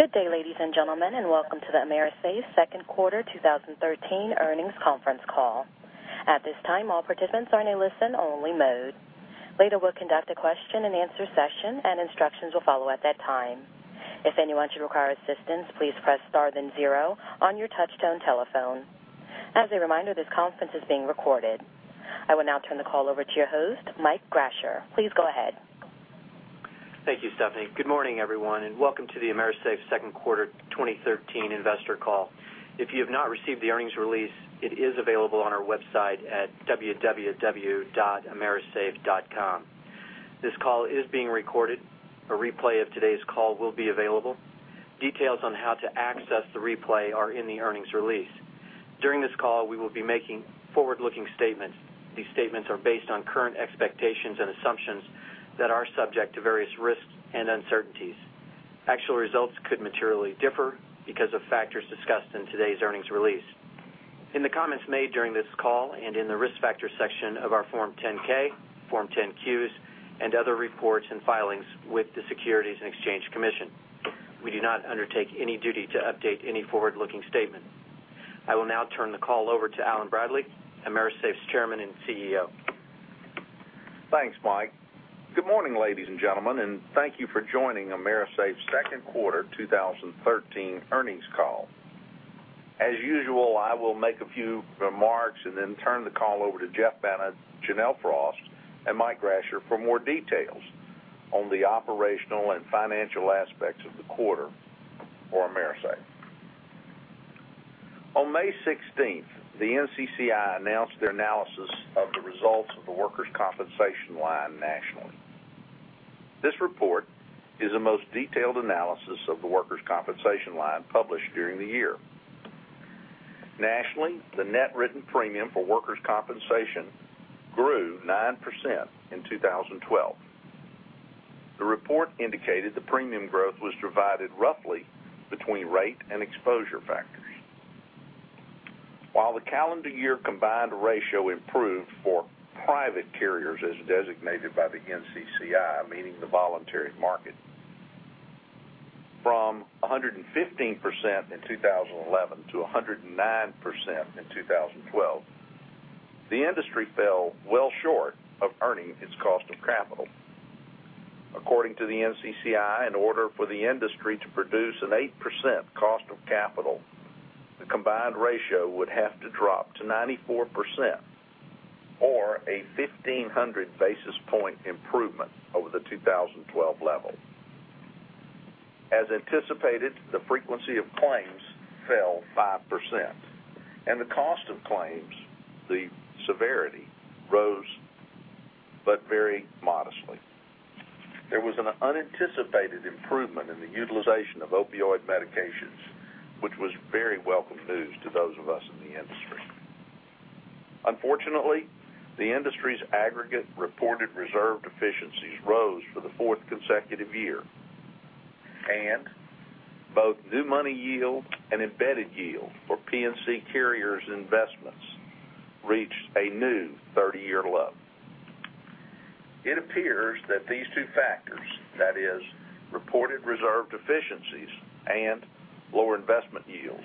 Good day, ladies and gentlemen, and welcome to the AMERISAFE second quarter 2013 earnings conference call. At this time, all participants are in a listen-only mode. Later, we'll conduct a question-and-answer session, and instructions will follow at that time. If anyone should require assistance, please press star then zero on your touchtone telephone. As a reminder, this conference is being recorded. I will now turn the call over to your host, Michael Grasher. Please go ahead. Thank you, Stephanie. Good morning, everyone, and welcome to the AMERISAFE second quarter 2013 investor call. If you have not received the earnings release, it is available on our website at www.amerisafe.com. This call is being recorded. A replay of today's call will be available. Details on how to access the replay are in the earnings release. During this call, we will be making forward-looking statements. These statements are based on current expectations and assumptions that are subject to various risks and uncertainties. Actual results could materially differ because of factors discussed in today's earnings release, in the comments made during this call and in the Risk Factors section of our Form 10-K, Form 10-Qs, and other reports and filings with the Securities and Exchange Commission. We do not undertake any duty to update any forward-looking statement. I will now turn the call over to Allen Bradley, AMERISAFE's Chairman and CEO. Thanks, Mike. Good morning, ladies and gentlemen, and thank you for joining AMERISAFE's second quarter 2013 earnings call. As usual, I will make a few remarks and then turn the call over to Jeff Bennett, Janelle Frost, and Mike Grasher for more details on the operational and financial aspects of the quarter for AMERISAFE. On May 16th, the NCCI announced their analysis of the results of the workers' compensation line nationally. This report is the most detailed analysis of the workers' compensation line published during the year. Nationally, the net written premium for workers' compensation grew 9% in 2012. The report indicated the premium growth was divided roughly between rate and exposure factors. While the calendar year combined ratio improved for private carriers as designated by the NCCI, meaning the voluntary market, from 115% in 2011 to 109% in 2012, the industry fell well short of earning its cost of capital. According to the NCCI, in order for the industry to produce an 8% cost of capital, the combined ratio would have to drop to 94%, or a 1,500 basis point improvement over the 2012 level. As anticipated, the frequency of claims fell 5%, and the cost of claims, the severity, rose, but very modestly. There was an unanticipated improvement in the utilization of opioid medications, which was very welcome news to those of us in the industry. Unfortunately, the industry's aggregate reported reserve deficiencies rose for the fourth consecutive year, and both new money yield and embedded yield for P&C carriers' investments reached a new 30-year low. It appears that these two factors, that is, reported reserve deficiencies and lower investment yields,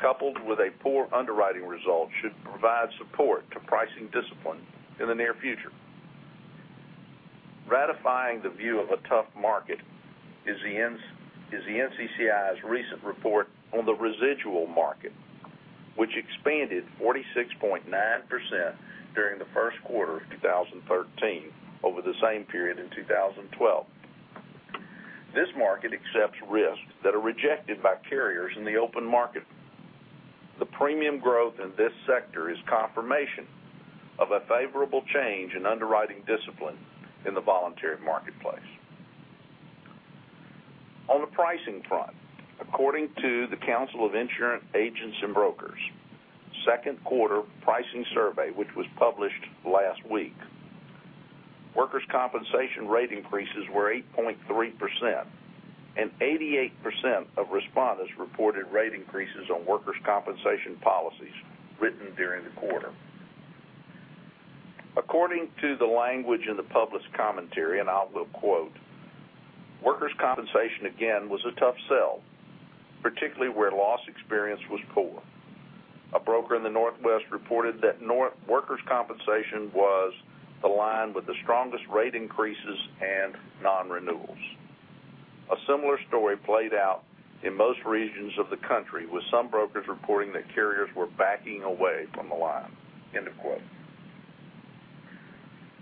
coupled with a poor underwriting result, should provide support to pricing discipline in the near future. Ratifying the view of a tough market is the NCCI's recent report on the residual market, which expanded 46.9% during the first quarter of 2013 over the same period in 2012. This market accepts risks that are rejected by carriers in the open market. The premium growth in this sector is confirmation of a favorable change in underwriting discipline in the voluntary marketplace. On the pricing front, according to The Council of Insurance Agents & Brokers' second quarter pricing survey, which was published last week, workers' compensation rate increases were 8.3%, and 88% of respondents reported rate increases on workers' compensation policies written during the quarter. According to the language in the published commentary, and I will quote, "Workers' compensation again was a tough sell, particularly where loss experience was poor. A broker in the Northwest reported that workers' compensation was the line with the strongest rate increases and nonrenewals. A similar story played out in most regions of the country, with some brokers reporting that carriers were backing away from the line." End of quote.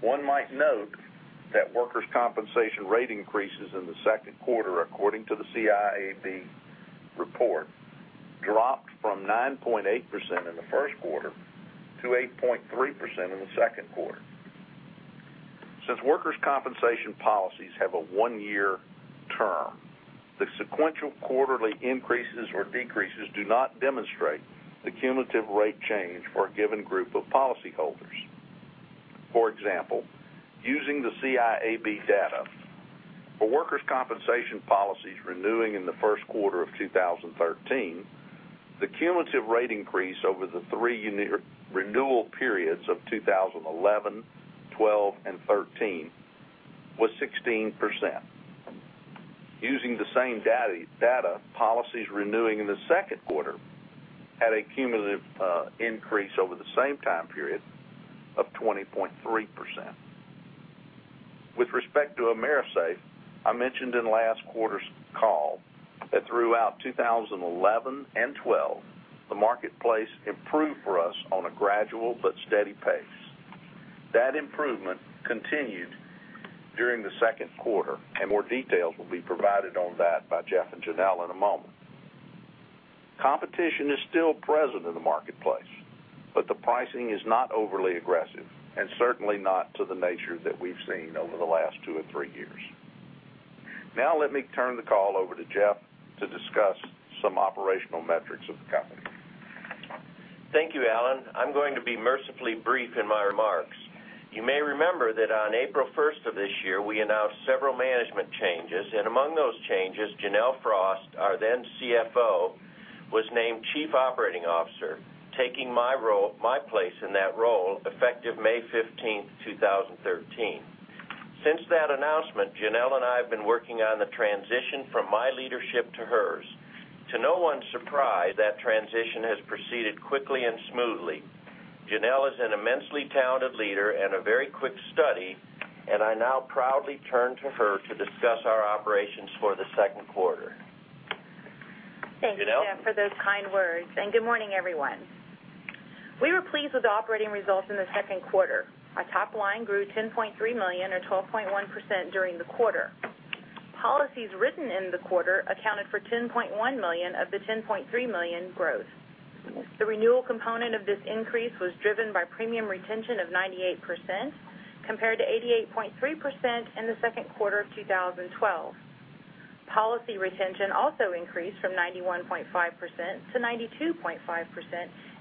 One might note that workers' compensation rate increases in the second quarter, according to the CIAB report, dropped from 9.8% in the first quarter to 8.3% in the second quarter. Since workers' compensation policies have a one-year term, the sequential quarterly increases or decreases do not demonstrate the cumulative rate change for a given group of policyholders. For example, using the CIAB data, for workers' compensation policies renewing in the first quarter of 2013 The cumulative rate increase over the three renewal periods of 2011, 2012, and 2013 was 16%. Using the same data, policies renewing in the second quarter had a cumulative increase over the same time period of 20.3%. With respect to AMERISAFE, I mentioned in last quarter's call that throughout 2011 and 2012, the marketplace improved for us on a gradual but steady pace. That improvement continued during the second quarter, and more details will be provided on that by Jeff and Janelle in a moment. Competition is still present in the marketplace, but the pricing is not overly aggressive, and certainly not to the nature that we've seen over the last two or three years. Now let me turn the call over to Jeff to discuss some operational metrics of the company. Thank you, Allen. I'm going to be mercifully brief in my remarks. You may remember that on April 1st of this year, we announced several management changes, and among those changes, Janelle Frost, our then CFO, was named chief operating officer, taking my place in that role effective May 15th, 2013. Since that announcement, Janelle and I have been working on the transition from my leadership to hers. To no one's surprise, that transition has proceeded quickly and smoothly. Janelle is an immensely talented leader and a very quick study, and I now proudly turn to her to discuss our operations for the second quarter. Janelle. Thank you, Jeff, for those kind words. Good morning, everyone. We were pleased with the operating results in the second quarter. Our top line grew $10.3 million, or 12.1%, during the quarter. Policies written in the quarter accounted for $10.1 million of the $10.3 million growth. The renewal component of this increase was driven by premium retention of 98%, compared to 88.3% in the second quarter of 2012. Policy retention also increased from 91.5% to 92.5%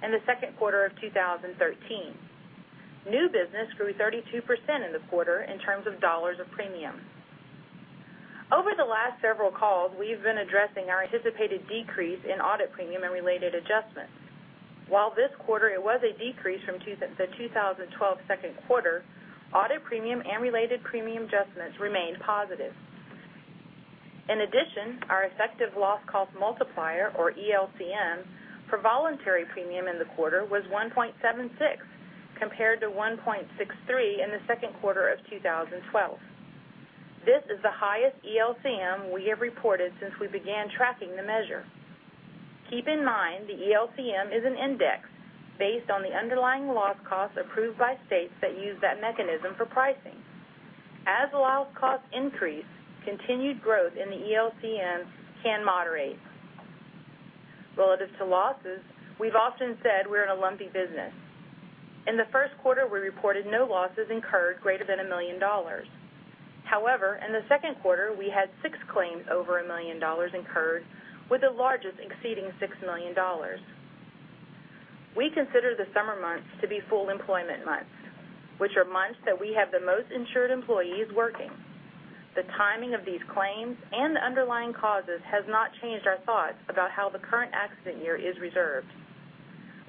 in the second quarter of 2013. New business grew 32% in the quarter in terms of dollars of premium. Over the last several calls, we've been addressing our anticipated decrease in audit premium and related adjustments. While this quarter it was a decrease from the 2012 second quarter, audit premium and related premium adjustments remained positive. In addition, our effective loss cost multiplier, or ELCM, for voluntary premium in the quarter was 1.76, compared to 1.63 in the second quarter of 2012. This is the highest ELCM we have reported since we began tracking the measure. Keep in mind the ELCM is an index based on the underlying loss cost approved by states that use that mechanism for pricing. As loss cost increase, continued growth in the ELCM can moderate. Relative to losses, we've often said we're in a lumpy business. In the first quarter, we reported no losses incurred greater than $1 million. However, in the second quarter, we had six claims over $1 million incurred, with the largest exceeding $6 million. We consider the summer months to be full employment months, which are months that we have the most insured employees working. The timing of these claims and the underlying causes has not changed our thoughts about how the current accident year is reserved.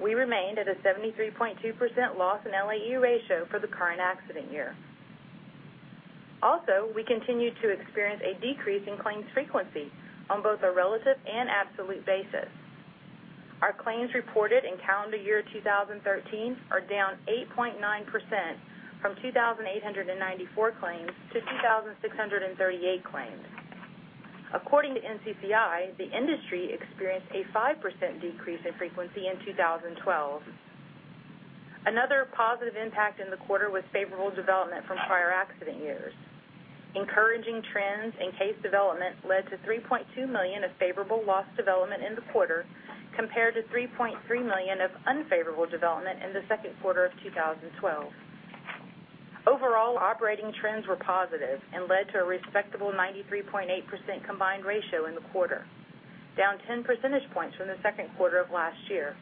We remained at a 73.2% loss in LAE ratio for the current accident year. Also, we continued to experience a decrease in claims frequency on both a relative and absolute basis. Our claims reported in calendar year 2013 are down 8.9% from 2,894 claims to 2,638 claims. According to NCCI, the industry experienced a 5% decrease in frequency in 2012. Another positive impact in the quarter was favorable development from prior accident years. Encouraging trends in case development led to $3.2 million of favorable loss development in the quarter, compared to $3.3 million of unfavorable development in the second quarter of 2012. Overall, operating trends were positive and led to a respectable 93.8% combined ratio in the quarter, down 10 percentage points from the second quarter of last year.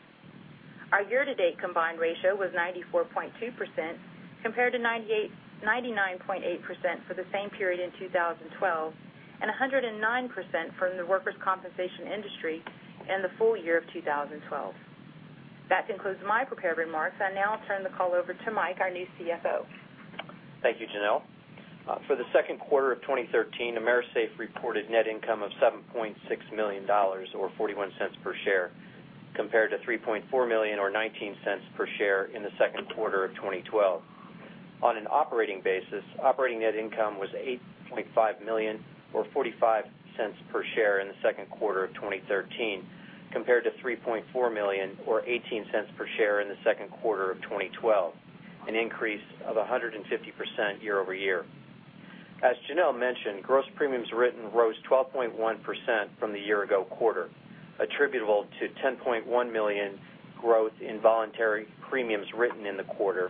Our year-to-date combined ratio was 94.2%, compared to 99.8% for the same period in 2012 and 109% from the workers' compensation industry in the full year of 2012. That concludes my prepared remarks. I now turn the call over to Mike, our new CFO. Thank you, Janelle. For the second quarter of 2013, AMERISAFE reported net income of $7.6 million, or $0.41 per share, compared to $3.4 million or $0.19 per share in the second quarter of 2012. On an operating basis, operating net income was $8.5 million or $0.45 per share in the second quarter of 2013 compared to $3.4 million or $0.18 per share in the second quarter of 2012, an increase of 150% year-over-year. As Janelle mentioned, gross premiums written rose 12.1% from the year ago quarter, attributable to $10.1 million growth in voluntary premiums written in the quarter.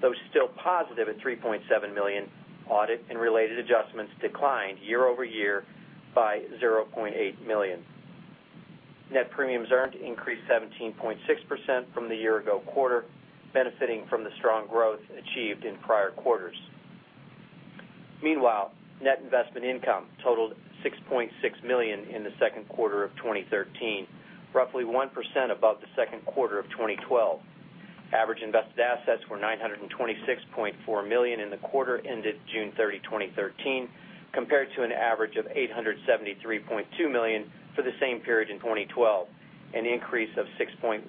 Though still positive at $3.7 million, audit and related adjustments declined year-over-year by $0.8 million. Net premiums earned increased 17.6% from the year ago quarter, benefiting from the strong growth achieved in prior quarters. Meanwhile, net investment income totaled $6.6 million in the second quarter of 2013, roughly 1% above the second quarter of 2012. Average invested assets were $926.4 million in the quarter ended June 30, 2013, compared to an average of $873.2 million for the same period in 2012, an increase of 6.1%.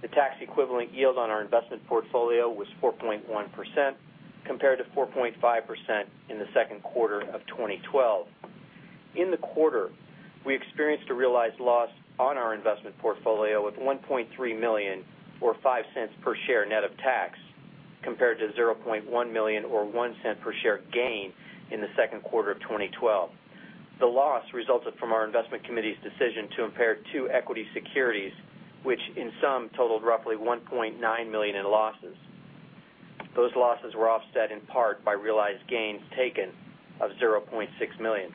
The tax equivalent yield on our investment portfolio was 4.1%, compared to 4.5% in the second quarter of 2012. In the quarter, we experienced a realized loss on our investment portfolio of $1.3 million, or $0.05 per share net of tax, compared to $0.1 million or $0.01 per share gain in the second quarter of 2012. The loss resulted from our investment committee's decision to impair two equity securities, which in sum totaled roughly $1.9 million in losses. Those losses were offset in part by realized gains taken of $0.6 million.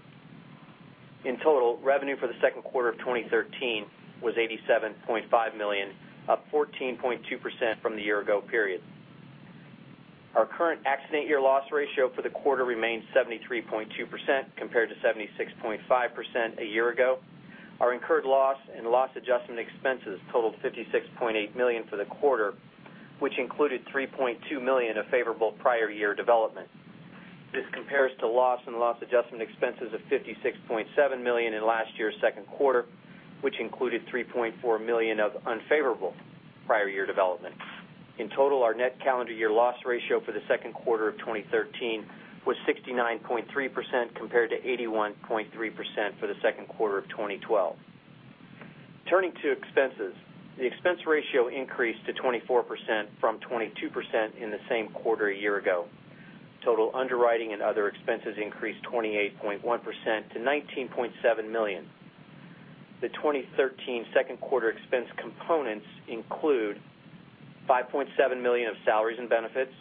In total, revenue for the second quarter of 2013 was $87.5 million, up 14.2% from the year ago period. Our current accident year loss ratio for the quarter remains 73.2%, compared to 76.5% a year ago. Our incurred loss and loss adjustment expenses totaled $56.8 million for the quarter, which included $3.2 million of favorable prior year development. This compares to loss and loss adjustment expenses of $56.7 million in last year's second quarter, which included $3.4 million of unfavorable prior year development. In total, our net calendar year loss ratio for the second quarter of 2013 was 69.3%, compared to 81.3% for the second quarter of 2012. Turning to expenses. The expense ratio increased to 24% from 22% in the same quarter a year ago. Total underwriting and other expenses increased 28.1% to $19.7 million. The 2013 second quarter expense components include $5.7 million of salaries and benefits,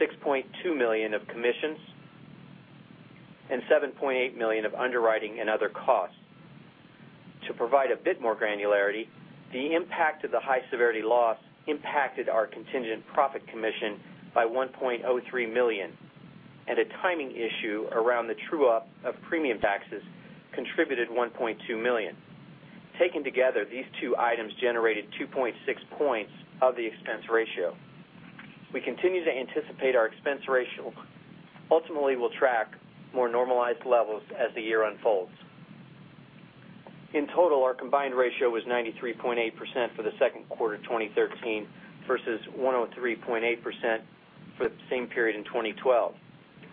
$6.2 million of commissions, and $7.8 million of underwriting and other costs. To provide a bit more granularity, the impact of the high severity loss impacted our contingent profit commission by $1.03 million, and a timing issue around the true up of premium taxes contributed $1.2 million. Taken together, these two items generated 2.6 points of the expense ratio. We continue to anticipate our expense ratio ultimately will track more normalized levels as the year unfolds. In total, our combined ratio was 93.8% for the second quarter 2013 versus 103.8% for the same period in 2012,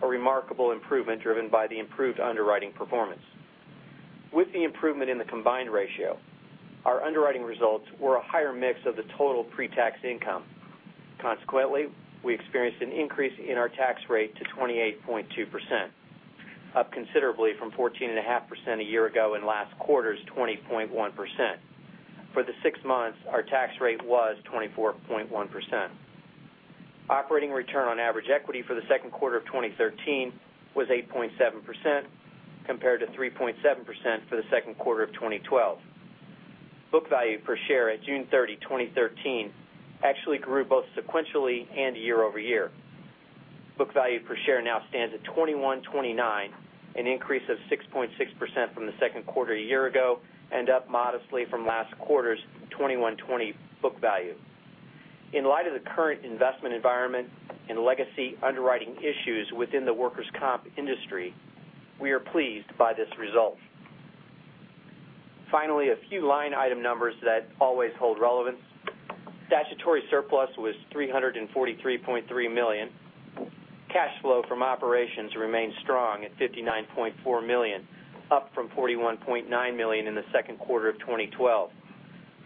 a remarkable improvement driven by the improved underwriting performance. With the improvement in the combined ratio, our underwriting results were a higher mix of the total pre-tax income. Consequently, we experienced an increase in our tax rate to 28.2%, up considerably from 14.5% a year ago and last quarter's 20.1%. For the six months, our tax rate was 24.1%. Operating return on average equity for the second quarter of 2013 was 8.7%, compared to 3.7% for the second quarter of 2012. Book value per share at June 30, 2013, actually grew both sequentially and year-over-year. Book value per share now stands at $21.29, an increase of 6.6% from the second quarter a year ago, and up modestly from last quarter's $21.20 book value. In light of the current investment environment and legacy underwriting issues within the workers' comp industry, we are pleased by this result. Finally, a few line item numbers that always hold relevance. Statutory surplus was $343.3 million. Cash flow from operations remained strong at $59.4 million, up from $41.9 million in the second quarter of 2012.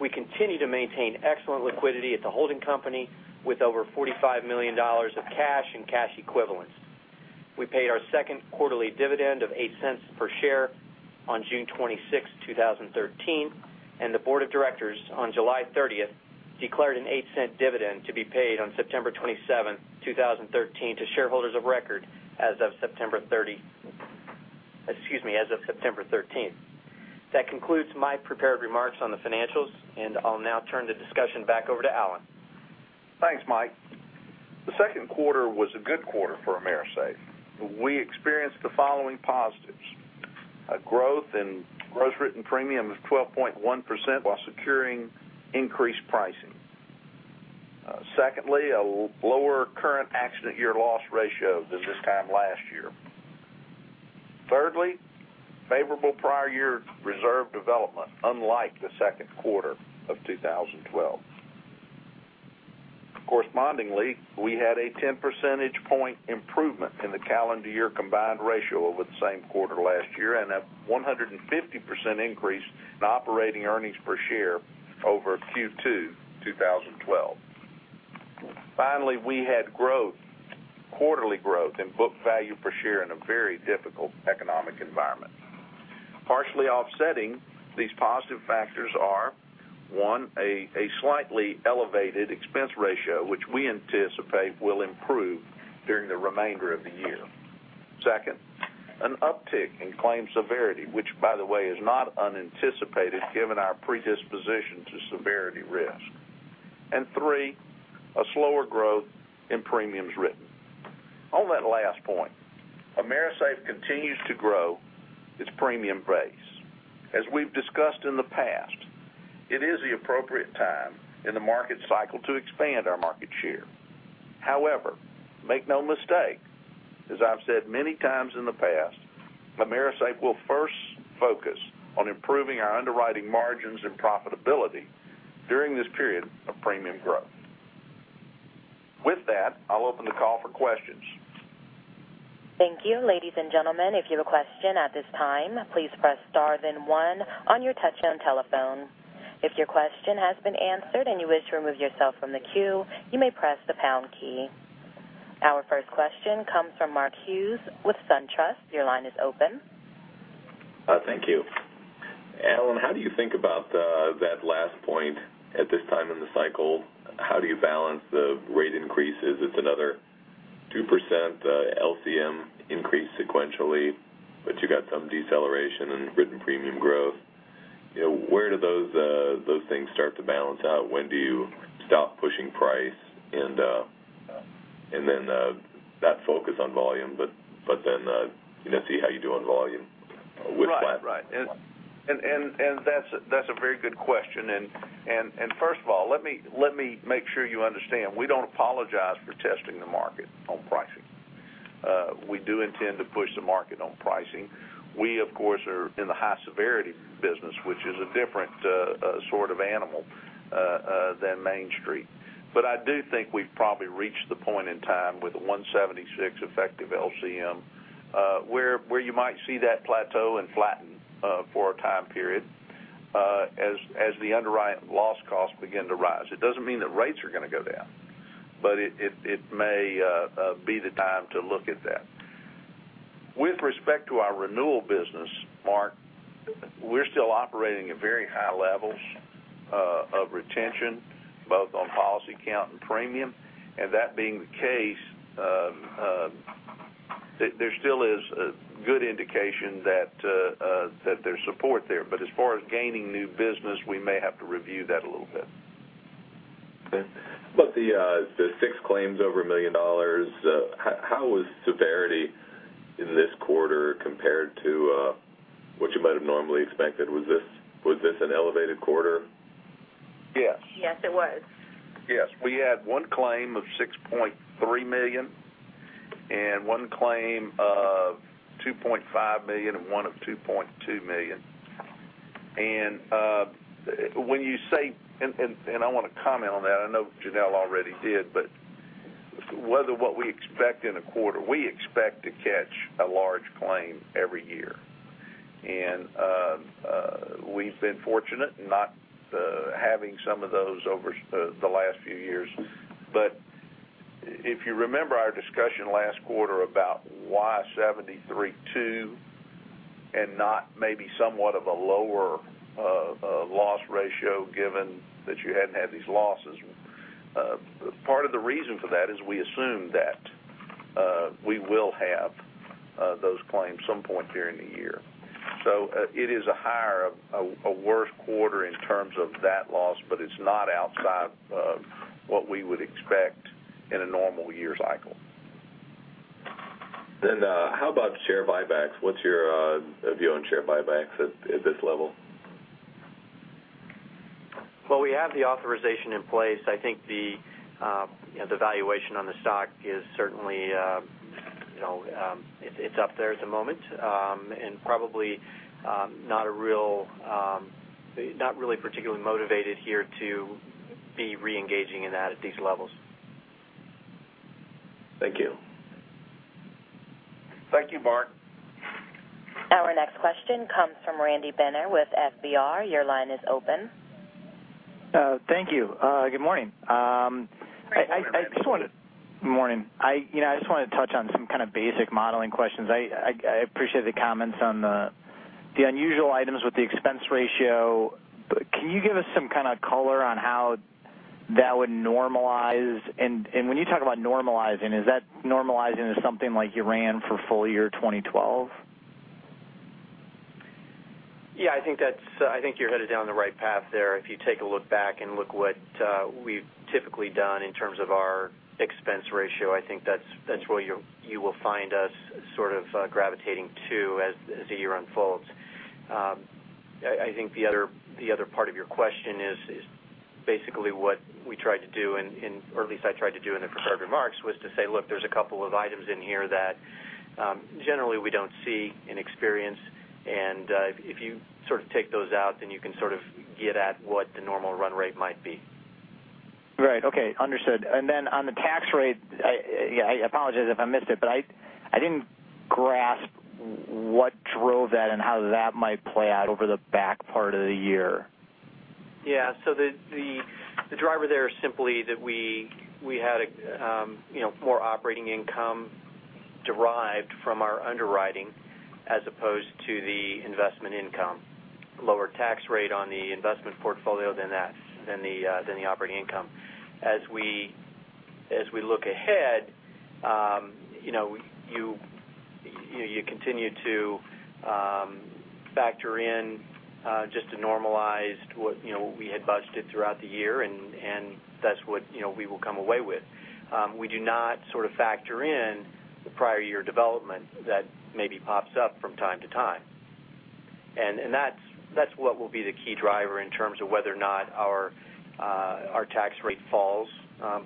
We continue to maintain excellent liquidity at the holding company with over $45 million of cash and cash equivalents. We paid our second quarterly dividend of $0.08 per share on June 26, 2013, and the board of directors on July 30th declared an $0.08 dividend to be paid on September 27th, 2013 to shareholders of record as of September 13th. That concludes my prepared remarks on the financials, and I'll now turn the discussion back over to Allen. Thanks, Mike. The second quarter was a good quarter for AMERISAFE. We experienced the following positives. A growth in gross written premium of 12.1% while securing increased pricing. Secondly, a lower current accident year loss ratio than this time last year. Thirdly, favorable prior year reserve development, unlike the second quarter of 2012. Correspondingly, we had a 10 percentage point improvement in the calendar year combined ratio over the same quarter last year and a 150% increase in operating earnings per share over Q2 2012. Finally, we had quarterly growth in book value per share in a very difficult economic environment. Partially offsetting these positive factors are, one, a slightly elevated expense ratio, which we anticipate will improve during the remainder of the year. Second, an uptick in claim severity, which by the way, is not unanticipated given our predisposition to severity risk. Three, a slower growth in premiums written. On that last point, AMERISAFE continues to grow its premium base. As we've discussed in the past, it is the appropriate time in the market cycle to expand our market share. However, make no mistake, as I've said many times in the past, AMERISAFE will first focus on improving our underwriting margins and profitability during this period of premium growth. With that, I'll open the call for questions. Thank you. Ladies and gentlemen, if you have a question at this time, please press star then one on your touch-tone telephone. If your question has been answered and you wish to remove yourself from the queue, you may press the pound key. Our first question comes from Mark Hughes with SunTrust. Your line is open. Thank you. Allen, how do you think about that last point at this time in the cycle? How do you balance the rate increases? It's another 2% LCM increase sequentially, you got some deceleration in written premium growth. Where do those things start to balance out? When do you stop pushing price, not focus on volume, then see how you do on volume with that? Right. That's a very good question. First of all, let me make sure you understand, we don't apologize for testing the market on pricing. We do intend to push the market on pricing. We, of course, are in the high-severity business, which is a different sort of animal than Main Street. I do think we've probably reached the point in time with the 176 effective LCM, where you might see that plateau and flatten for a time period, as the underwriting loss costs begin to rise. It doesn't mean that rates are going to go down, but it may be the time to look at that. With respect to our renewal business, Mark, we're still operating at very high levels of retention, both on policy count and premium. That being the case, there still is a good indication that there's support there. As far as gaining new business, we may have to review that a little bit. Okay. About the six claims over $1 million, how was severity in this quarter compared to what you might have normally expected? Was this an elevated quarter? Yes. Yes, it was. Yes. We had one claim of $6.3 million and one claim of $2.5 million and one of $2.2 million. I want to comment on that. I know Janelle already did, whether what we expect in a quarter, we expect to catch a large claim every year. We've been fortunate in not having some of those over the last few years. If you remember our discussion last quarter about why 732 and not maybe somewhat of a lower loss ratio given that you hadn't had these losses, part of the reason for that is we assume that we will have those claims some point during the year. It is a worse quarter in terms of that loss, but it's not outside of what we would expect in a normal year cycle. How about share buybacks? What's your view on share buybacks at this level? Well, we have the authorization in place. I think the valuation on the stock is certainly up there at the moment, and probably not really particularly motivated here to be re-engaging in that at these levels. Thank you. Thank you, Mark. Our next question comes from Randy Binner with FBR Capital Markets. Your line is open. Thank you. Good morning. Good morning, Randy. Morning. I just wanted to touch on some kind of basic modeling questions. I appreciate the comments on the unusual items with the expense ratio. Can you give us some kind of color on how that would normalize? When you talk about normalizing, is that normalizing as something like you ran for full year 2012? Yeah, I think you're headed down the right path there. If you take a look back and look what we've typically done in terms of our expense ratio, I think that's where you will find us sort of gravitating to as the year unfolds. I think the other part of your question is basically what we tried to do, or at least I tried to do in the prepared remarks, was to say, look, there's a couple of items in here that generally we don't see and experience, and if you sort of take those out, then you can sort of get at what the normal run rate might be. Right. Okay. Understood. Then on the tax rate, I apologize if I missed it, but I didn't grasp what drove that and how that might play out over the back part of the year. Yeah. The driver there is simply that we had more operating income derived from our underwriting as opposed to the investment income. Lower tax rate on the investment portfolio than the operating income. As we look ahead, you continue to factor in just a normalized, what we had budgeted throughout the year, and that's what we will come away with. We do not sort of factor in the prior year development that maybe pops up from time to time. That's what will be the key driver in terms of whether or not our tax rate falls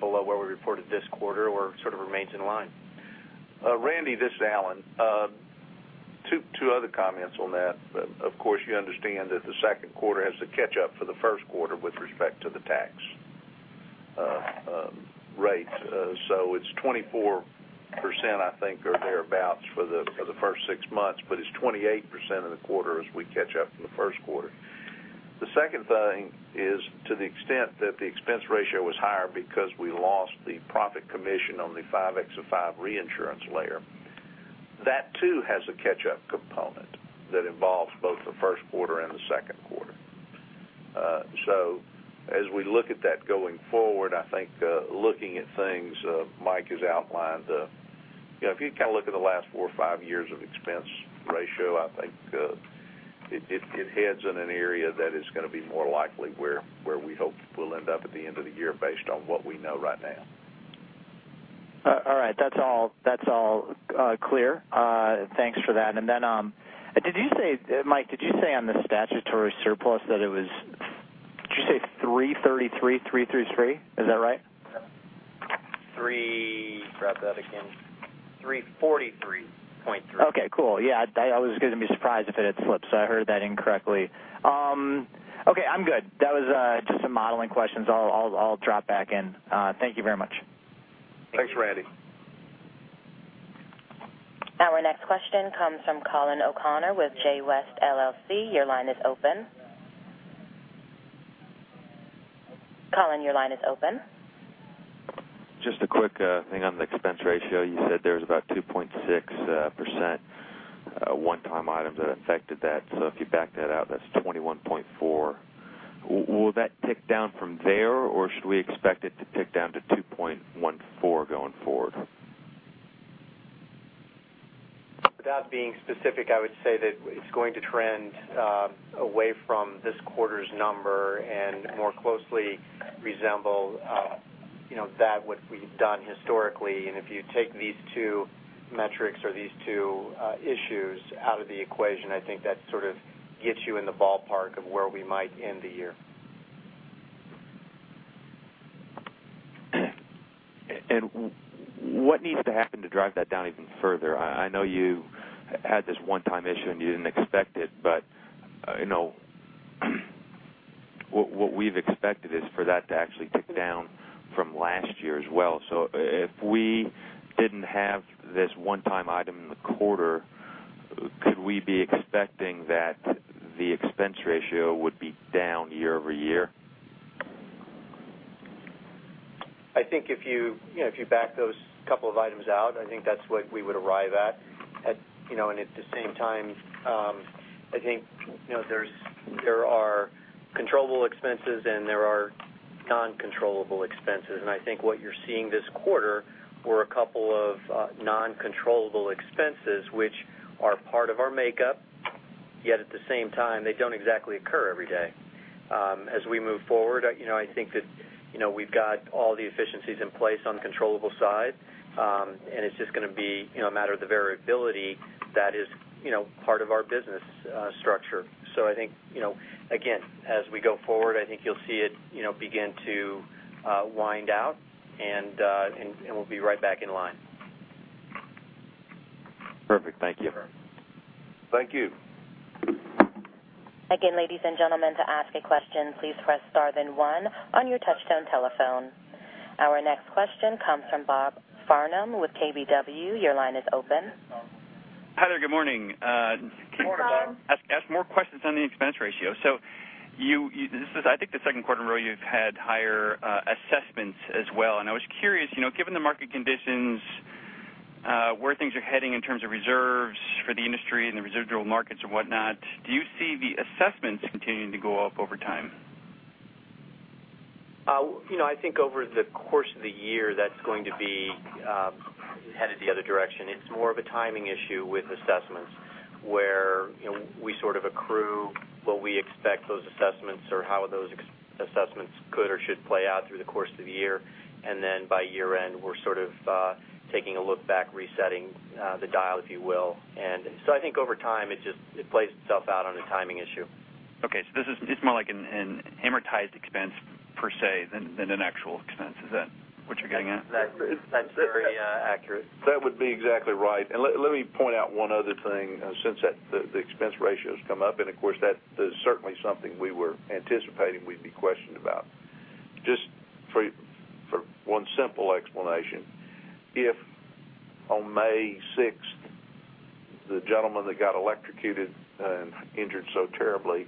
below where we reported this quarter or sort of remains in line. Randy, this is Alan. Two other comments on that. Of course, you understand that the second quarter has to catch up for the first quarter with respect to the tax rates. It's 24%, I think, or thereabout for the first six months, but it's 28% of the quarter as we catch up from the first quarter. The second thing is to the extent that the expense ratio was higher because we lost the profit commission on the 5x5 reinsurance layer. That too has a catch-up component that involves both the first quarter and the second quarter. As we look at that going forward, I think, looking at things Mike has outlined, if you look at the last four or five years of expense ratio, I think it heads in an area that is going to be more likely where we hope we'll end up at the end of the year based on what we know right now. All right. That's all clear. Thanks for that. Mike, did you say on the statutory surplus that it was $333.333? Is that right? Try that again. $343.3. Okay, cool. I was going to be surprised if it had slipped, so I heard that incorrectly. Okay, I'm good. That was just some modeling questions. I'll drop back in. Thank you very much. Thanks, Randy. Our next question comes from Colin O'Connor with J. West LLC. Your line is open. Colin, your line is open. Just a quick thing on the expense ratio. You said there's about 2.6% one-time items that affected that. If you back that out, that's 21.4%. Will that tick down from there, or should we expect it to tick down to 2.14% going forward? Without being specific, I would say that it's going to trend away from this quarter's number and more closely resemble that what we've done historically. If you take these two metrics or these two issues out of the equation, I think that sort of gets you in the ballpark of where we might end the year. What needs to happen to drive that down even further? I know you had this one-time issue, and you didn't expect it, but what we've expected is for that to actually tick down from last year as well. If we didn't have this one-time item in the quarter, could we be expecting that the expense ratio would be down year-over-year? I think if you back those couple of items out, I think that's what we would arrive at. At the same time, I think there are controllable expenses and there are non-controllable expenses. I think what you're seeing this quarter were a couple of non-controllable expenses, which are part of our makeup. Yet at the same time, they don't exactly occur every day. As we move forward, I think that we've got all the efficiencies in place on the controllable side. It's just going to be a matter of the variability that is part of our business structure. I think, again, as we go forward, I think you'll see it begin to wind out, and we'll be right back in line. Perfect. Thank you. Thank you. ladies and gentlemen, to ask a question, please press star, then one on your touchtone telephone. Our next question comes from Robert Farnam with KBW. Your line is open. Hi there, good morning. Good morning, Bob. Hello. I have more questions on the expense ratio. This is, I think, the second quarter in a row you've had higher assessments as well, and I was curious, given the market conditions, where things are heading in terms of reserves for the industry and the residual markets and whatnot, do you see the assessments continuing to go up over time? I think over the course of the year, that's going to be headed the other direction. It's more of a timing issue with assessments, where we sort of accrue what we expect those assessments or how those assessments could or should play out through the course of the year. Then by year-end, we're sort of taking a look back, resetting the dial, if you will. So I think over time, it plays itself out on a timing issue. Okay, it's more like an amortized expense per se than an actual expense. Is that what you're getting at? That's very accurate. That would be exactly right. Let me point out one other thing since the expense ratio has come up. Of course, that is certainly something we were anticipating we'd be questioned about. Just for one simple explanation. If on May 6th, the gentleman that got electrocuted and injured so terribly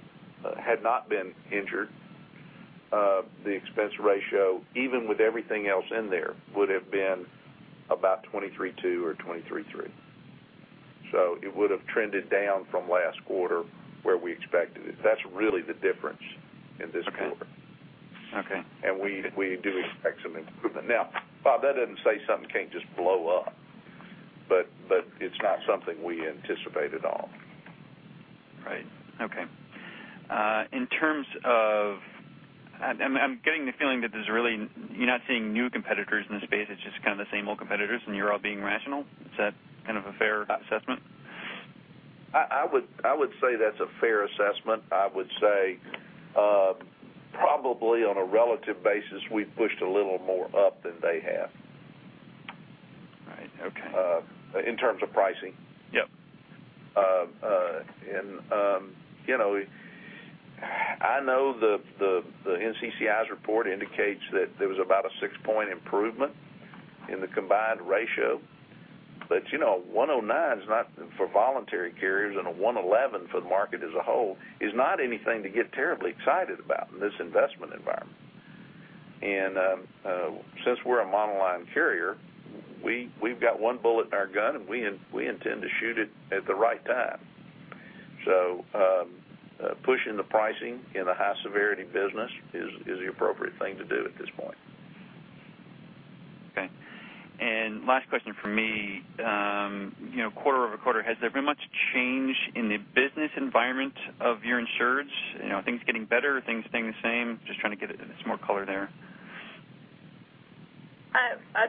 had not been injured, the expense ratio, even with everything else in there, would've been about 23.2% or 23.3%. It would've trended down from last quarter where we expected it. That's really the difference in this quarter. Okay. We do expect some improvement. Now, Bob, that doesn't say something can't just blow up, but it's not something we anticipate at all. Right. Okay. I'm getting the feeling that you're not seeing new competitors in the space, it's just kind of the same old competitors, and you're all being rational. Is that kind of a fair assessment? I would say that's a fair assessment. I would say, probably on a relative basis, we've pushed a little more up than they have. Right. Okay. In terms of pricing. Yep. I know the NCCI's report indicates that there was about a 6-point improvement in the combined ratio, but a 109 for voluntary carriers and a 111 for the market as a whole is not anything to get terribly excited about in this investment environment. Since we're a monoline carrier, we've got one bullet in our gun, and we intend to shoot it at the right time. Pushing the pricing in the high-severity business is the appropriate thing to do at this point. Okay. Last question from me. Quarter-over-quarter, has there been much change in the business environment of your insureds? Are things getting better? Are things staying the same? Just trying to get some more color there.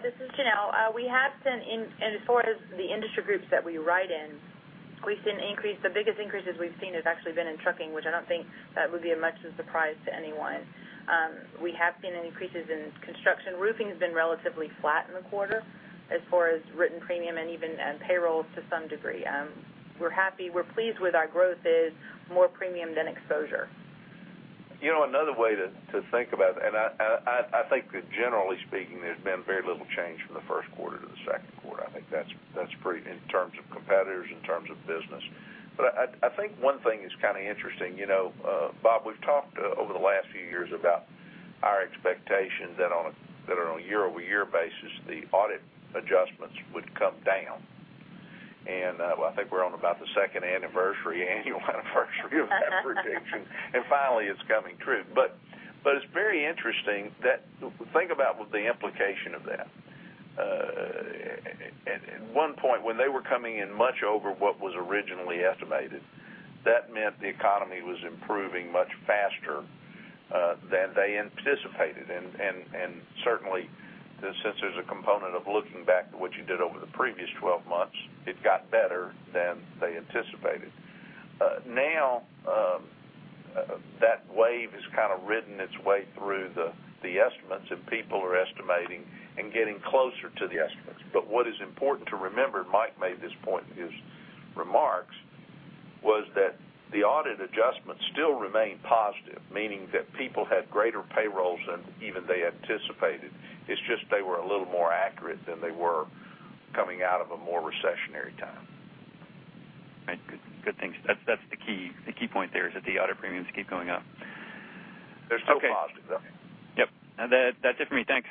This is Janelle. We have seen in, as far as the industry groups that we write in, the biggest increases we've seen has actually been in trucking, which I don't think that would be much of a surprise to anyone. We have seen increases in construction. Roofing has been relatively flat in the quarter as far as written premium and even payroll to some degree. We're happy, we're pleased with our growth is more premium than exposure. Another way to think about it, I think that generally speaking, there's been very little change from the first quarter to the second quarter. I think that's pretty, in terms of competitors, in terms of business. I think one thing is kind of interesting. Bob, we've talked over the last few years about our expectation that on a year-over-year basis, the audit adjustments would come down. I think we're on about the second anniversary annual anniversary of that prediction, and finally it's coming true. It's very interesting that, think about what the implication of that. At one point, when they were coming in much over what was originally estimated, that meant the economy was improving much faster than they anticipated. Certainly, since there's a component of looking back to what you did over the previous 12 months, it got better than they anticipated. Now, that wave has kind of ridden its way through the estimates, people are estimating and getting closer to the estimates. What is important to remember, Mike made this point in his remarks, was that the audit adjustments still remain positive, meaning that people had greater payrolls than even they anticipated. It's just they were a little more accurate than they were coming out of a more recessionary time. Right. Good. That's the key point there is that the audit premiums keep going up. They're still positive, though. Yep. That's it for me. Thanks.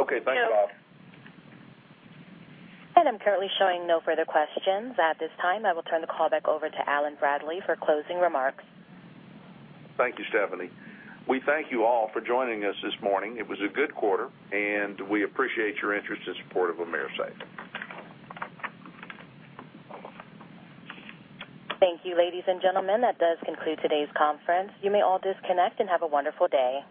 Okay. Bye, Bob. I'm currently showing no further questions. At this time, I will turn the call back over to Allen Bradley for closing remarks. Thank you, Stephanie. We thank you all for joining us this morning. It was a good quarter, and we appreciate your interest and support of AMERISAFE. Thank you, ladies and gentlemen. That does conclude today's conference. You may all disconnect, and have a wonderful day.